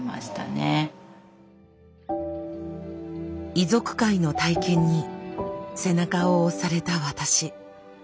遺族会の体験に背中を押された私。